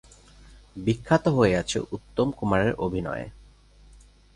বিখ্যাত হয়ে আছে উত্তম কুমারের অভিনয়ে।